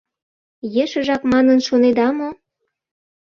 Ешыжак манын шонеда мо?